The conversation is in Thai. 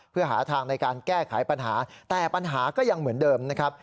เพื่อหาทางในการแก้ไขปัญหาแต่ปัญหาก็ยังเหมือนเดิมนะครับ